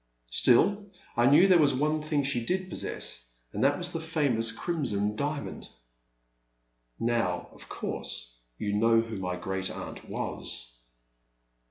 Still, I knew there was one thing she did possess, and that was the famous Crimson Diamond.'' Now, of course, you know who my great aunt was.